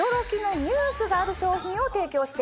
がある商品を提供しています。